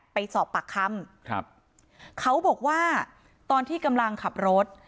ไปสอบปากคำครับเขาบอกว่าตอนที่กำลังขับรถ